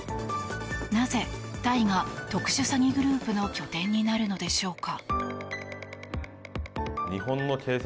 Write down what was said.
なぜタイが特殊詐欺グループの拠点になるのでしょうか。